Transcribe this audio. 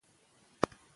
دا د معاهدې یوه ماده وه.